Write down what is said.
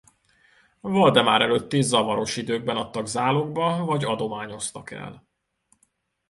Valdemár előtti zavaros időkben adtak zálogba vagy adományoztak el.